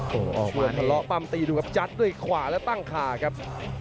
หลังจากถือรอปัมป์ตีดูกับจัดด้วยขวาและตั้งขาครับ